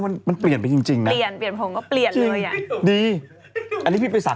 มันเปลี่ยนไปจริงนะ